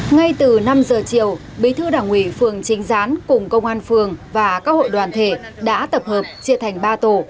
ngay từ năm giờ chiều bí thư đảng ủy phường trinh gián cùng công an phường và các hội đoàn thể đã tập hợp chia thành ba tổ